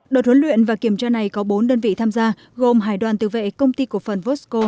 đợt huấn luyện và kiểm tra này có bốn đơn vị tham gia gồm hải đoàn tự vệ công ty cổ phần vosco